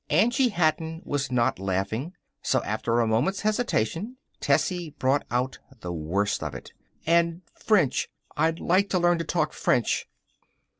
Angie Hatton was not laughing. So, after a moment's hesitation, Tessie brought out the worst of it. "And French. I'd like to learn to talk French."